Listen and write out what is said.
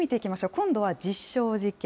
今度は実証実験。